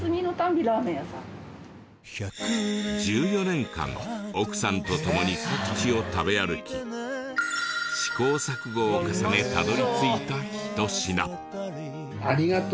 １４年間奥さんと共に各地を食べ歩き試行錯誤を重ねたどり着いたひと品。